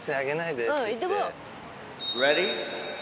言ってこよう。